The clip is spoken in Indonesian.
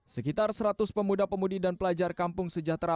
sekitar seratus pemuda pemudi dan pelajar kampung sejahtera